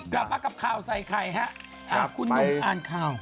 กลับมากับข่าวใส่ไข่ฮะคุณหนุ่มอ่านข่าว